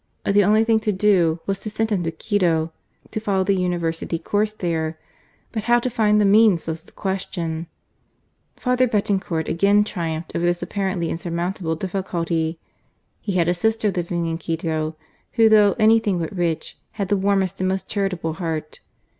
The only thing to be done was to send him to Quito, to follow the University course there ; but how to find the means was the question. P. Betancourt again triumphed over this apparently insurmountable difficulty. He had a sister living in Quito, who though anything but rich, had the warmest and most charitable heart.